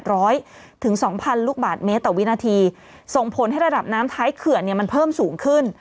ร้อยถึงสองพันลูกบาทเมตรต่อวินาทีส่งผลให้ระดับน้ำท้ายเขื่อนเนี่ยมันเพิ่มสูงขึ้น